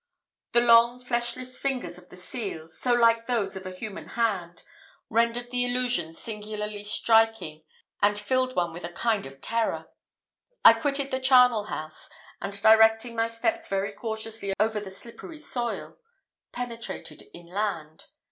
"The long fleshless fingers of the seals, so like to those of the human hand, rendered the illusion singularly striking and filled one with a kind of terror. I quitted the charnel house, and directing my steps very cautiously over the slippery soil, penetrated inland.